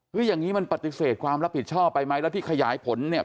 อย่างนี้มันปฏิเสธความรับผิดชอบไปไหมแล้วที่ขยายผลเนี่ย